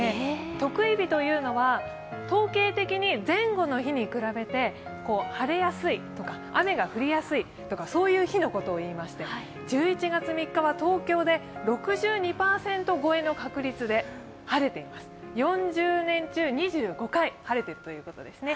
特異日というのは統計的に前後の日に比べて晴れやすいとか雨が降りやすいとか、そういう日のことを言いまして１１月３日は東京で６２％超えの確率で４０年中２５回晴れているということですね。